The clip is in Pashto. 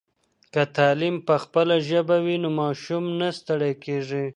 که تعلیم په خپله ژبه وي نو ماشوم نه ستړی کېږي.